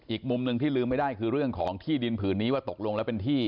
อีกมุมหนึ่งที่ลืมไม่ได้คือเรื่องของที่ดินผืนนี้ว่าตกลงแล้วเป็นที่